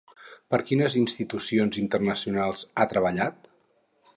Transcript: Per quines institucions internacionals ha treballat?